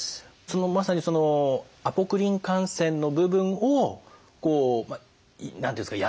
そのまさにそのアポクリン汗腺の部分を何て言うんですか？